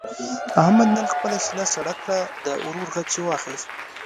احمد نن خپله سینه سړه کړه. د ورور غچ یې واخیست.